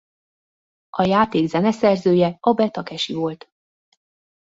A játék zeneszerzője Abe Takesi volt.